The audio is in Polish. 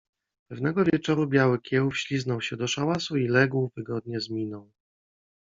Pewnego wieczoru Biały Kieł wśliznął się do szałasu i legł wygodnie z miną